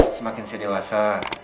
semakin saya dewasa